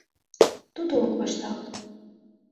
Тудо ок вашталт.